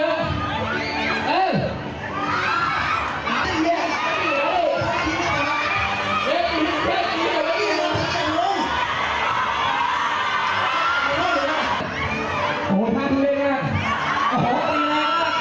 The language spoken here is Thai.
อ้าวอยากใส่ป้อนด์หรือยัง